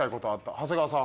長谷川さん。